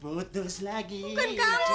putus lagi cintaku